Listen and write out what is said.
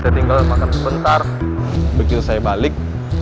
saya tinggal makan sebentar begitu saya balik